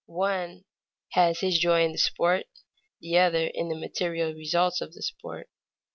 The one has his joy in the sport, the other in the material results of the sport.